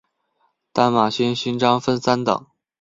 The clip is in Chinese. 淡马锡勋章分三等。